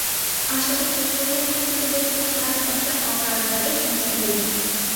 আশাকে চুপ করিয়া থাকিতে দেখিয়া তাহার একটা অকারণ রাগের সঞ্চার হইল।